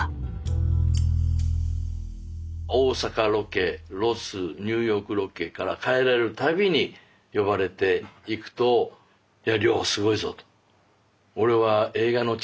大阪ロケロスニューヨークロケから帰られる度に呼ばれて行くといや凌すごいぞと。